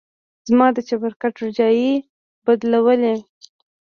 زما د چپرکټ روجايانې يې بدلولې.